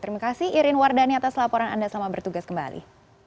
terima kasih irin wardani atas laporan anda selamat bertugas kembali